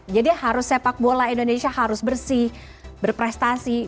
jadi harus sepakbola indonesia harus bersih berprestasi